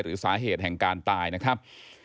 หรือสาเหตุแห่งการตายนะครับ